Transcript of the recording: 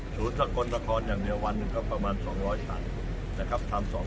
ศูนย์สะกนสะกอนอย่างเดียววันมึงก็ประมาณ๒๐๐สัตว์